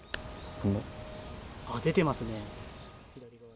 あっ、出てますね。